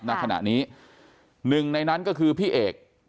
หนั้งขณะนี้๑ในนั้นก็คือพี่เอก